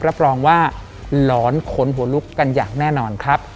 รับรองว่าหลอนขนหัวลุกกันอย่างแน่นอนครับ